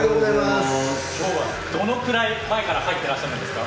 今日はどのぐらい前から入ってらっしゃるんですか？